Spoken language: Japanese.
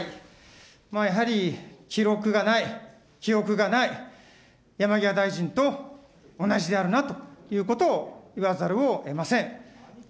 やはり、記録がない、記憶がない、山際大臣と同じであるなということを言わざるをえません。